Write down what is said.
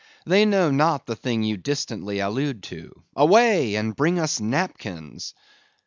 They know not the thing you distantly allude to. Away, and bring us napkins!